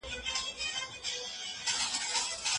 ټولنپوهنه د انسانانو خدمت کوي.